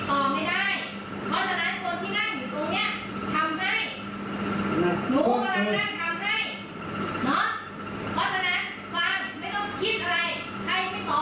โอ้โฮโกรธแล้วจ้ะ